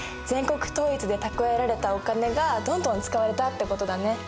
全国統一で蓄えられたお金がどんどん使われたってことだね。